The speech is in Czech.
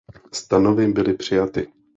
Stanovy byly přijaty.